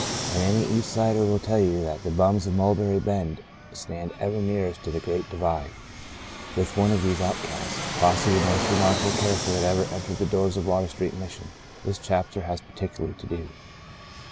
And any East Sider will tell you that the "bums" of Mulberry Bend stand ever nearest to the Great Divide. With one of these outcasts — possibly the most remarkable character that ever entered the doors of Water Street Mission — this chap ter has particularly to do.